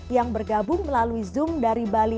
yang bergabung melalui zoom dari bali